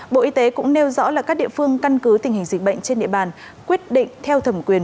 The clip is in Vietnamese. bộ y tế cũng nêu rõ là các địa phương căn cứ tình hình dịch bệnh trên địa bàn quyết định theo thẩm quyền